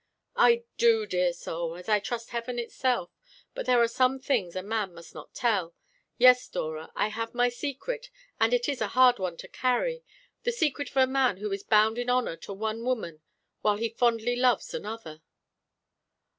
"I do, dear soul, as I trust Heaven itself. But there are some things a man must not tell. Yes, Dora, I have my secret, and it is a hard one to carry the secret of a man who is bound in honour to one woman while he fondly loves another."